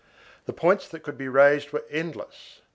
The points that could be raised were endless.